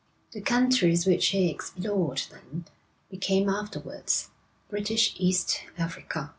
The countries which he explored then, became afterwards British East Africa.